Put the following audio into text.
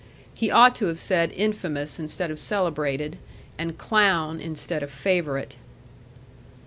He ought to have said infamous instead of celebrated, and clown instead of favourite.